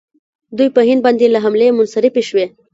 دوی په هند باندې له حملې منصرفې شوې.